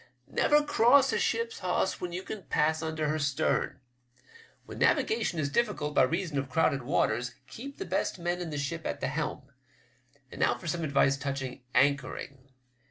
" Never cross a ship's hawse when you can pass under her stern. When navigation is diflScult by reason of crowded waters, keep the best men in the ship at the helm. And now for some advice touching anchoring.